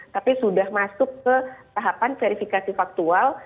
tapi sudah masuk ke tahapan verifikasi faktual